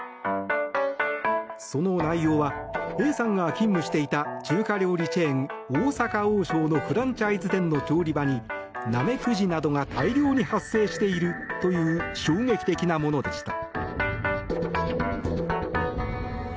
その内容はＡさんが勤務していた中華料理チェーン、大阪王将のフランチャイズ店の調理場にナメクジなどが大量に発生しているという衝撃的なものでした。